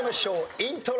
イントロ。